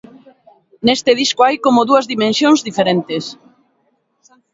Neste disco hai como dúas dimensións diferentes.